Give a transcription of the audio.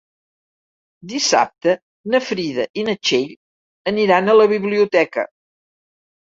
Dissabte na Frida i na Txell aniran a la biblioteca.